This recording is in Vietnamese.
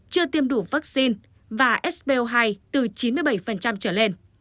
chưa tiêm đủ vaccine và sbo hai từ chín mươi bảy trở lên